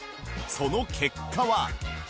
その結果は